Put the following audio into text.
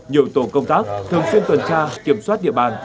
nhiều tổ công tác thường xuyên tuần tra kiểm soát địa bàn